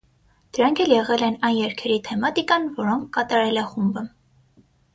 Դրանք էլ եղել են այն երգերի թեմատիկան, որոնք կատարել է խումբը։